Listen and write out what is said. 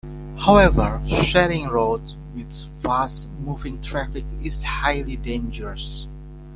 However sharing roads with fast-moving traffic is highly dangerous.